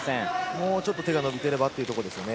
もうちょっと手が伸びてればというところですね。